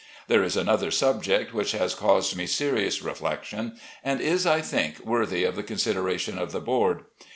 There is another subject which has caused me serious reflection, and is, I think, worthy of the consideration of the board.